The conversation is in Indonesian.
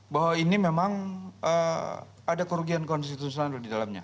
bahwa ini memang ada kerugian konstitusional di dalamnya